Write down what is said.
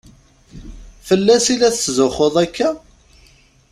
Fell-as i la tetzuxxuḍ akka?